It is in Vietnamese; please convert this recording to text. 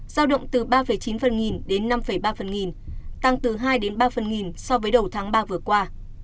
giao động từ ba chín phần nghìn đến năm ba phần nghìn tăng từ hai đến ba phần nghìn so với đầu tháng ba vừa qua